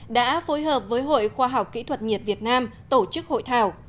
đã phối hợp với hội khoa học kỹ thuật nhiệt việt nam tổ chức hội thảo